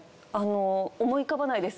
思い浮かばないです。